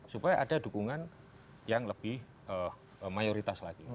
supaya ada dukungan yang lebih mayoritas lagi